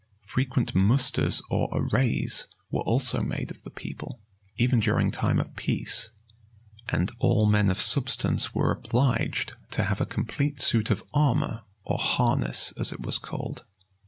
[*] Frequent musters or arrays were also made of the people, even during time of peace; and all men of substance were obliged to have a complete suit of armor or harness, as it was called.